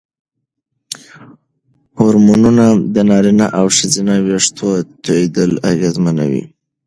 هورمونونه د نارینه او ښځینه وېښتو توېیدل اغېزمنوي.